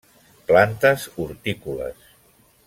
Plantes hortícoles.